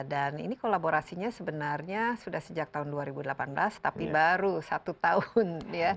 dan ini kolaborasinya sebenarnya sudah sejak tahun dua ribu delapan belas tapi baru satu tahun